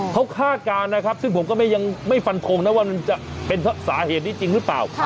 เขาคาดการณ์นะครับซึ่งผมก็ยังไม่ฟันทงนะว่ามันจะเป็นเพราะสาเหตุนี้จริงหรือเปล่า